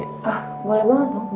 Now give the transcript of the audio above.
ah boleh banget